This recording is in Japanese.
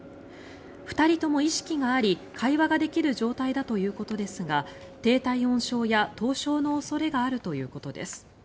２人とも意識があり会話ができる状態だということですが低体温症や凍傷の恐れがあるということです。